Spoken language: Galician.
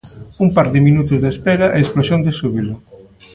Un par de minutos de espera e explosión de xúbilo.